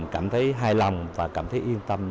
cảm thấy hài lòng và cảm thấy yên tâm